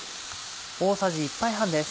大さじ１杯半です。